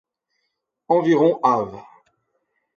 Environ av.